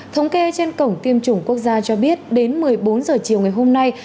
thống kê trên cổng tiêm chủng quốc gia cho biết đến một mươi bốn h chiều ngày hôm nay